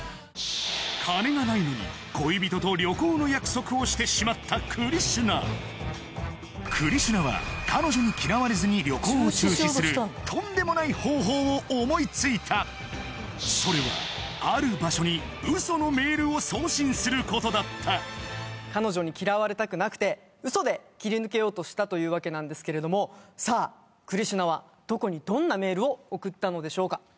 金がないのに恋人と旅行の約束をしてしまったクリシュナクリシュナは彼女に嫌われずに旅行を中止するとんでもない方法を思いついたそれはある場所にウソのメールを送信することだった彼女に嫌われたくなくてウソで切り抜けようとしたというわけなんですけれどもさあクリシュナはどこにどんなメールを送ったのでしょうか？